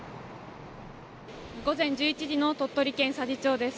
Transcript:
午前１１時の鳥取県佐治町です。